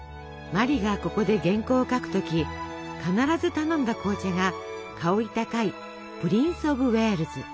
茉莉がここで原稿を書く時必ず頼んだ紅茶が香り高い「プリンス・オブ・ウェールズ」。